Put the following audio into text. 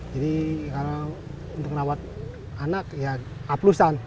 jadi kalau untuk rawat anak ya aplusan